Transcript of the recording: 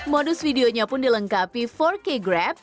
modus videonya pun dilengkapi empat k grab